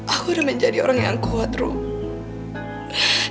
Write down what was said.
aku udah menjadi orang yang kuat rub